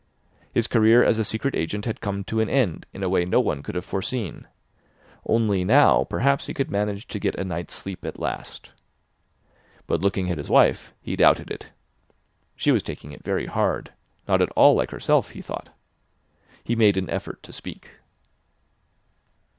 His career as a secret agent had come to an end in a way no one could have foreseen; only, now, perhaps he could manage to get a night's sleep at last. But looking at his wife, he doubted it. She was taking it very hard—not at all like herself, he thought. He made an effort to speak.